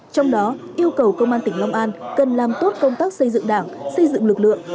trong đó yêu cầu công an tỉnh long an cần làm tốt công tác xây dựng đảng xây dựng lực lượng